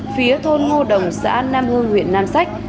phía thôn ngô đồng xã nam hưng huyện nam sách